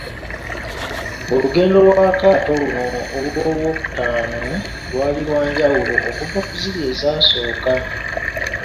Olugendo lw'akaato luno olw'okutaano lwali lwa njawulo okuva ku ziri ezaasooka.